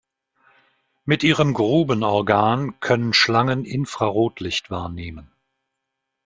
Mit ihrem Grubenorgan können Schlangen Infrarotlicht wahrnehmen.